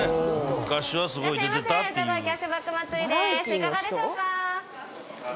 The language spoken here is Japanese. いかがでしょうか？